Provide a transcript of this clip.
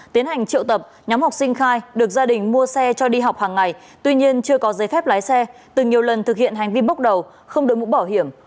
tiến hành triệu tập nhóm học sinh khai được gia đình mua xe cho đi học hàng ngày tuy nhiên chưa có giấy phép lái xe từ nhiều lần thực hiện hành vi bốc đầu không đổi mũ bảo hiểm